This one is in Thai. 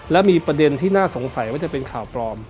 และมีประเด็นที่น่าสงสัยว่าจะเป็นข่าวปลอม